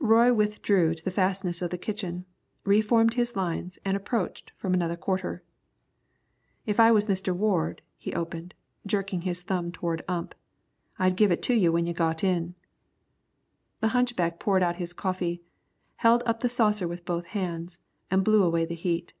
Roy withdrew to the fastnesses of the kitchen, re formed his lines and approached from another quarter. "If I was Mr. Ward," he opened, jerking his thumb toward Ump, "I'd give it to you when you got in." The hunchback poured out his coffee, held up the saucer with both hands and blew away the heat.